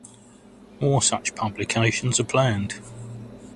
More such publications are planned.